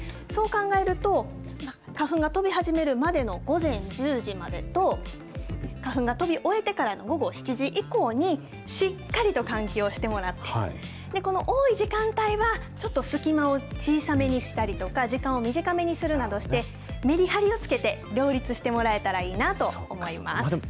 そう考えると、花粉が飛び始めるまでの午前１０時までと、花粉が飛び終えてからの午後７時以降に、しっかりと換気をしてもらって、この多い時間帯は、ちょっと隙間を小さめにしたりとか、時間を短めにするなどして、メリハリをつけて両立してもらえたらいいなと思います。